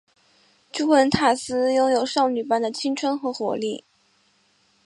朱文塔斯拥有少女般的青春和活力。